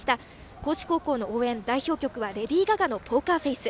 高知高校の応援代表曲はレディー・ガガの「ポーカーフェース」。